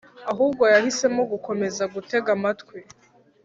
ahubwo yahisemo gukomeza gutega amatwi